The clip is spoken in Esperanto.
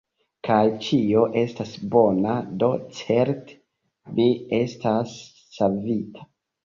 Kaj ĉio estas bona; do certe mi estas savita!